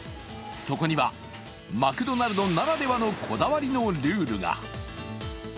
そこにはマクドナルドならではのこだわりのルールが。